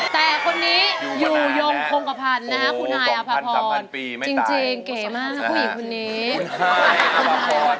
แต่คนนี้อยู่อย่งพงภารพ่อ